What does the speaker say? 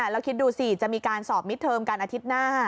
แล้วคิดดูสิจะมีการสอบมิดเทอมกันอาทิตย์หน้า